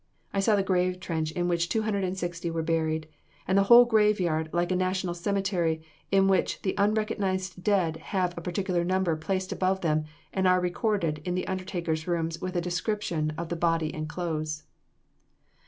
I saw the grave trench in which two hundred and sixty were buried, and the whole graveyard like a national cemetery, in which the unrecognized dead have a particular number placed above them and are recorded in the undertaker's rooms with a description of the body and clothes."